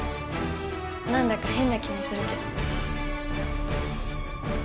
何だかへんな気もするけど。